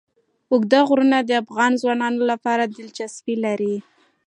اوږده غرونه د افغان ځوانانو لپاره دلچسپي لري.